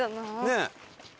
ねえ。